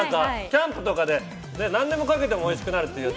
キャンプとかで何でもかけても美味しくなるというやつ。